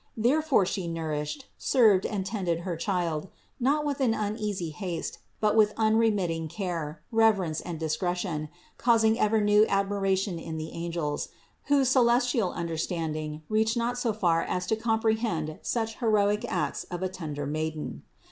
Therefore She nourished, served and tended her Child, not with an uneasy haste, but with unremitting care, rev erence and discretion, causing ever new admiration in the angels, whose celestial understanding reached not so far as to comprehend such heroic acts of a tender Maiden.